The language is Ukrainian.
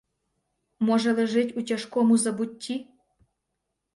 Може, лежить у тяжкому забутті?